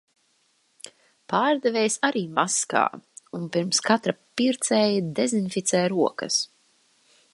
Pārdevējs arī maskā un pirms katra pircēja dezinficē rokas.